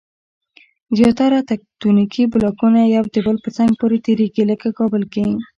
زیاره تکتونیکي بلاکونه یو د بل په څنګ پورې تېریږي. لکه کابل کې